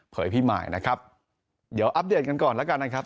พี่หมายนะครับเดี๋ยวอัปเดตกันก่อนแล้วกันนะครับ